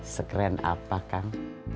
sekeren apa kang